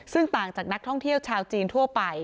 ซึ่งต่างจากนักท่องเที่ยวชาวจีนทั่วไป